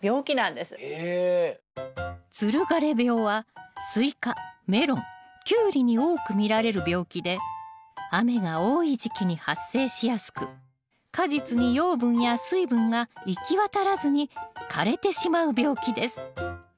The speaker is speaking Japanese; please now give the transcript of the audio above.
つる枯病はスイカメロンキュウリに多く見られる病気で雨が多い時期に発生しやすく果実に養分や水分が行き渡らずに枯れてしまう病気です。